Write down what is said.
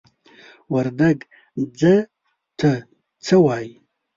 وردگ "ځه" ته "څَ" وايي.